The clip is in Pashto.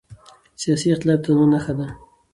سیاسي اختلاف د تنوع نښه ده